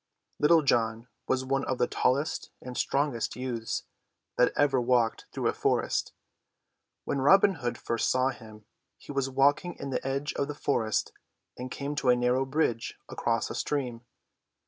Little John was one of the tallest and strongest youths that ever walked through a forest. When Robin Hood first saw him, he was walking in the edge of the forest and came to a narrow bridge across a stream.